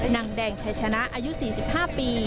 นางแดงชัยชนะอายุ๔๕ปี